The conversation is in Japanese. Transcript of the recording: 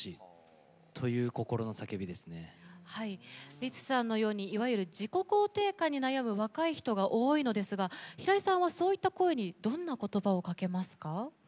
りつさんのようにいわゆる自己肯定感に悩む若い人が多いのですが平井さんはそういった声にどんな言葉をかけますか？